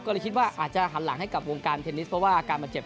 ก็เลยคิดว่าอาจจะหันหลังให้กับวงการเทนนิสเพราะว่าอาการบาดเจ็บ